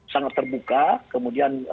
sangat terbuka kemudian